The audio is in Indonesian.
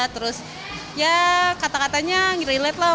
terus ya kata katanya relate lah